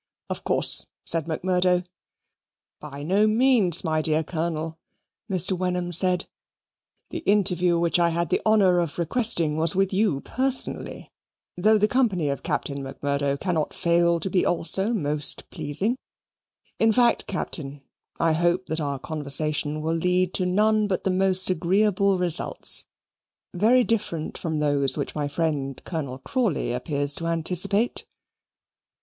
"Of course," said Macmurdo. "By no means, my dear Colonel," Mr. Wenham said; "the interview which I had the honour of requesting was with you personally, though the company of Captain Macmurdo cannot fail to be also most pleasing. In fact, Captain, I hope that our conversation will lead to none but the most agreeable results, very different from those which my friend Colonel Crawley appears to anticipate."